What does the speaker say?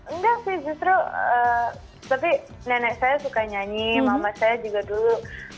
enggak sih justru tapi nenek saya suka nyanyi mama saya juga dulu